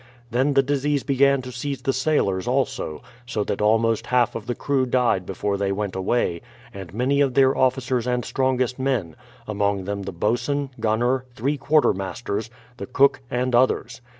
Then the disease began to seize the sailors also, so that almost half of the crew died before they v/ent away, and 78 BRADFORD'S HISTORY OF many of their officers and strongest men, amongst them the boatswain, gunner, three quarter masters, the cook and others.